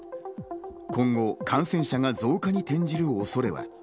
今後、感染者が増加に転じる恐れは？